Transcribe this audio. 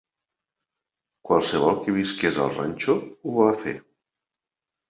Qualsevol que visqués al ranxo ho va fer.